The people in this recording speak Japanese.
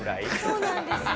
そうなんですよ。